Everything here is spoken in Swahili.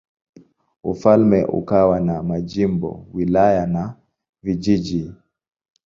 Ufalme ukawa na majimbo, wilaya na vijiji.